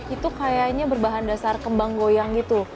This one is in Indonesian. itu kayaknya berbahan dasar kembang goyang gitu